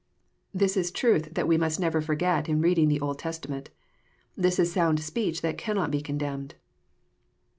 This is truth that we must never forget in reading the Old Testament. This is sound speech that cannot be con demned.